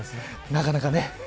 なかなかね。